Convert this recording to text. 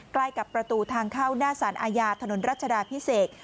ใกล้กับประตูทางเข้าหน้าสารอาญาถนนรัชดาพิเศษ